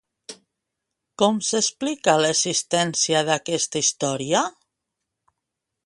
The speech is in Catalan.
Com s'explica l'existència d'aquesta història?